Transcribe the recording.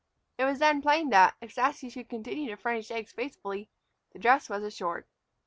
It was then plain that, if Sassy should continue to furnish eggs faithfully, the dress was assured.